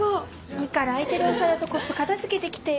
いいから空いてるお皿とコップ片付けて来てよ。